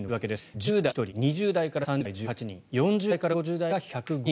１０代、１人２０代から３０代が１８人４０代から５０代が１０５人